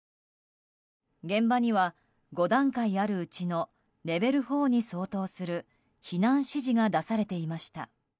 現場には５段階あるうちのレベル４に相当する避難指示が出されていました。